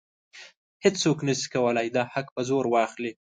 هیڅوک نشي کولی دا حق په زور واخلي.